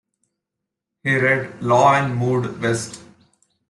He read law and moved west.